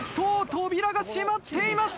扉が閉まっています。